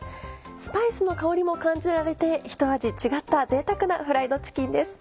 スパイスの香りも感じられて一味違ったぜいたくなフライドチキンです。